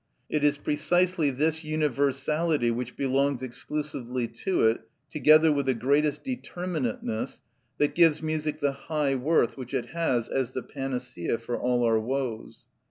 It is precisely this universality, which belongs exclusively to it, together with the greatest determinateness, that gives music the high worth which it has as the panacea for all our woes.